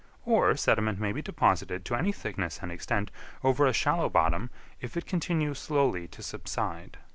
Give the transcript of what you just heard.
Or sediment may be deposited to any thickness and extent over a shallow bottom, if it continue slowly to subside.